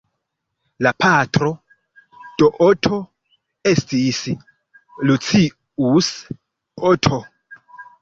La patro de Oto estis Lucius Oto.